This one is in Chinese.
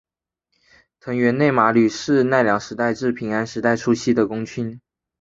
藤原内麻吕是奈良时代至平安时代初期的公卿。